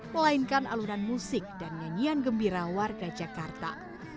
melainkan alunan musik dan nyanyian gembira warga jakarta